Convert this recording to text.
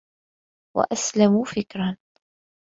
وَأَسْلَمُ فِكْرًا